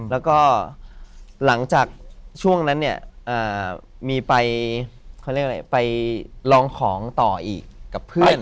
แล้วก็หลังจากช่วงนั้นเนี่ยมีไปลองของต่ออีกกับเพื่อน